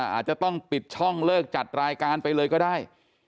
อาจจะต้องปิดช่องเลิกจัดรายการไปเลยก็ได้